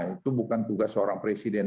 itu bukan tugas seorang presiden